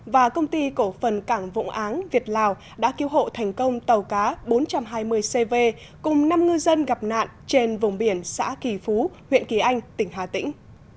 và công ty cổ phần cảng vụng áng việt lào đã cứu hộ thành công tàu cá bốn trăm hai mươi cv cùng năm ngư dân gặp nạn trên vùng biển xã kỳ phú huyện kỳ anh tỉnh hà tĩnh